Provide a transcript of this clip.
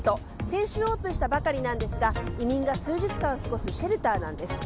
先週オープンしたばかりなんですが移民が数日間過ごすシェルターなんです。